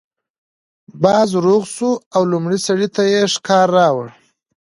باز روغ شو او لومړي سړي ته یې شکار راوړ.